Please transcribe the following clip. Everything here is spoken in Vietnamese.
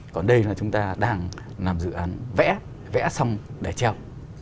còn đây là chúng ta đang làm dự án vẽ vẽ xong để treo